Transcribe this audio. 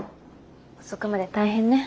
遅くまで大変ね。